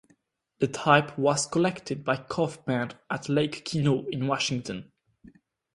The type was collected by Kauffman at Lake Quinault in Washington.